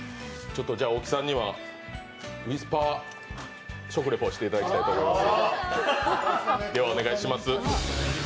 大木さんにはウイスパー食レポをしていただきたいと思います。